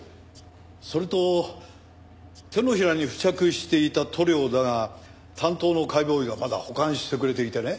それと手のひらに付着していた塗料だが担当の解剖医がまだ保管してくれていてね。